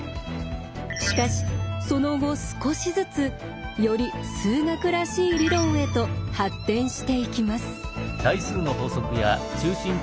しかしその後少しずつより数学らしい理論へと発展していきます。